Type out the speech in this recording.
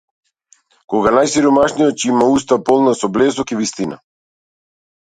Кога најсиромашниот ќе има уста полна со блесок и вистина.